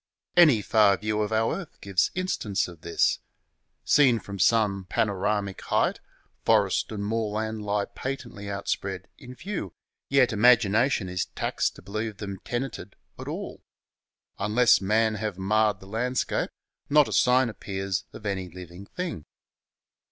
Any far view of our earth gives in stance of this. Seen from some panoramic height, forest and moorland lie patently outspread to view, yet imagination is taxed to believe them tenanted at all. Unless man have marred the landscape not a sign appears of any living thing.